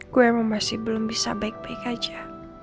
gue emang masih belum bisa baik baik aja